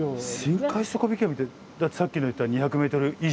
深海底引き網ってさっき言った２００ｍ以上？